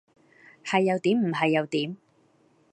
係又點唔係有點？